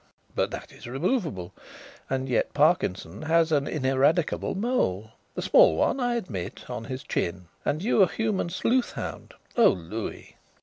"But that is removable. And yet Parkinson has an ineradicable mole a small one, I admit on his chin. And you a human sleuth hound. Oh, Louis!"